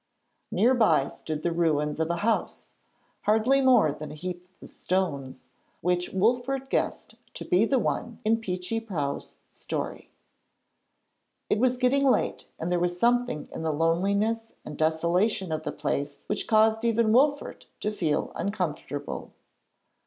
Near by stood the ruins of a house hardly more than a heap of stones, which Wolfert guessed to be the one in Peechy Prauw's story. It was getting late, and there was something in the loneliness and desolation of the place which caused even Wolfert to feel uncomfortable.